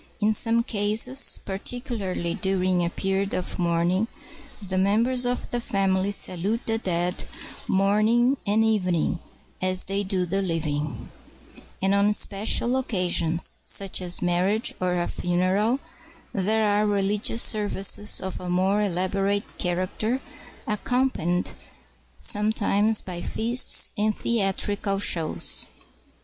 In some cases, particularly during a period of mourn ing, the members of the family salute the dead, morn 153 CHINA ing and evening, as they do the living; and on special occasions, such as a marriage or a funeral, there are religious services of a more elaborate character, accom panied sometimes by feasts and theatrical shows.